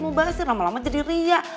mubazir lama lama jadi riak